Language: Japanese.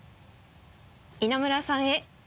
「稲村さんへ」